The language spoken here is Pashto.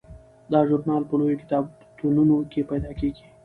دا ژورنال په لویو کتابتونونو کې پیدا کیږي.